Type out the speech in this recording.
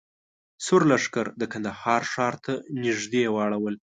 سور لښکر د کندهار ښار ته نږدې واړول.